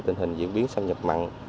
tình hình diễn biến xâm nhập mặn